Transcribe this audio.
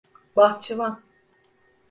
Bahçıvan…